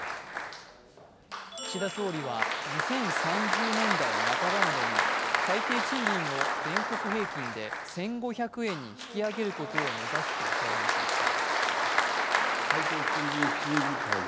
岸田総理は２０３０年代半ばまでに最低賃金を全国平均で１５００円に引き上げることを目指すと表明しました。